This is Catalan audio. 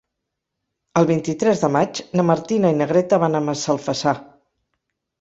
El vint-i-tres de maig na Martina i na Greta van a Massalfassar.